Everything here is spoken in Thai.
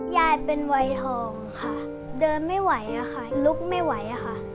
ยายเป็นวัยทองค่ะเดินไม่ไหวอะค่ะลุกไม่ไหวอะค่ะ